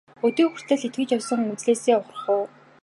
Өдий хүртэл итгэж явсан үзлээсээ ухрах уу?